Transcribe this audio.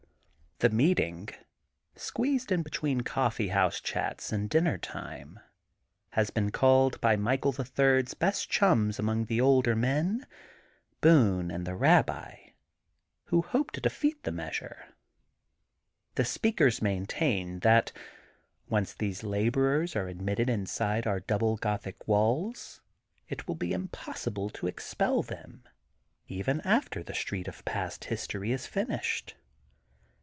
The meeting, squeezed in between the coffee house chats and dinner time, has been called by Michael the Third's best chulns among the older men: — ^Boone, and the Babbi, who hope to defeat the new measure. The speak ers maintain that, once these laborers are ad mitted inside our double Gothic walls, it will be impossible to expel them, even after the Street of Past History is finished.